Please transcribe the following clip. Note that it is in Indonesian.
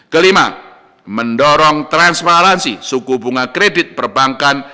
kelima mendorong transparansi suku bunga kredit perbankan